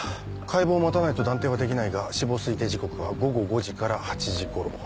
解剖を待たないと断定はできないが死亡推定時刻は午後５時から８時頃。